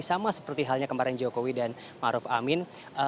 sama seperti halnya kemarin jokowi dan maruf amin